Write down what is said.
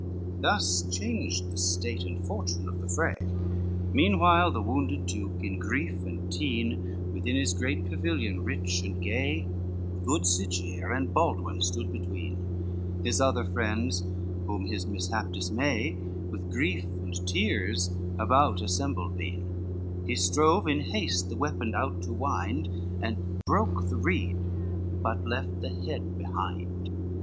LXVIII Thus changed the state and fortune of the fray, Meanwhile the wounded duke, in grief and teen, Within his great pavilion rich and gay, Good Sigiere and Baldwin stood between; His other friends whom his mishap dismay, With grief and tears about assembled been: He strove in haste the weapon out to wind, And broke the reed, but left the head behind.